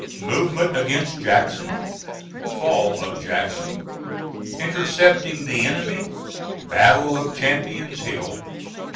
MOVEMENT AGAINST JACKSON FALL OF JACKSON INTERCEPTING THE ENEMY BATTLE OF CHAMPION'S HILL.